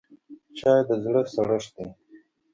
چای د زړه سړښت دی